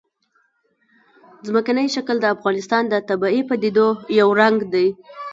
ځمکنی شکل د افغانستان د طبیعي پدیدو یو رنګ دی.